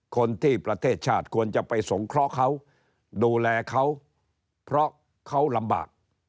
คนที่ประเทศชาติควรจะไปสงเคราะห์เขาดูแลเขาเพราะเขาลำบาก